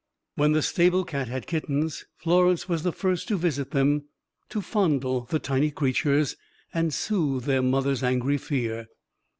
When the stable cat had kittens, Florence was the first to visit them, to fondle the tiny creatures and soothe their mother's angry fear.